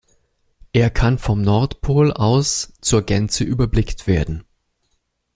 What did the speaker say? Er kann vom Nordpol aus zur Gänze überblickt werden.